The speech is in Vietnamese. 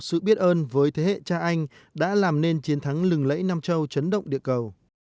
sự biết ơn với thế hệ cha anh đã làm nên chiến thắng lừng lẫy nam châu chấn động địa cầu